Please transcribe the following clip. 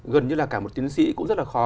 gần như là cả một tiến sĩ cũng rất là khó